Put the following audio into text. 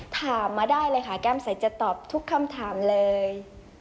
ถามมาได้เลยค่ะแก้มใสจะตอบทุกคำถามเลย